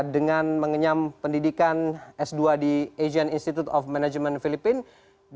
dengan mengenyam pendidikan s dua di asian institute of management filipina